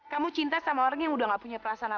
kamu cinta sama orang yang udah gak punya perasaan